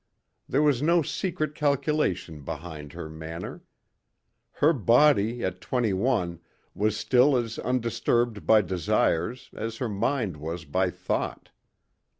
There was no secret calculation behind her manner. Her body at twenty one was still as undisturbed by desires as her mind was by thought.